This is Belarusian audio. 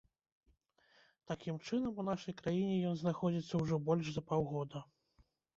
Такім чынам, у нашай краіне ён знаходзіцца ўжо больш за паўгода.